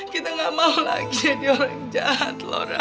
kita gak mau lagi jadi orang jahat laura